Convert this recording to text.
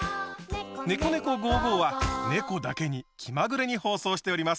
「ねこねこ５５」はねこだけに気まぐれに放送しております。